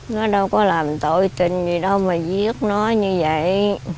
nó đâu có làm tội tình gì đâu mà giết nó như vậy